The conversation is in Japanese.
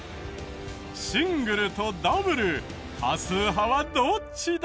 シングルとダブル多数派はどっちだ？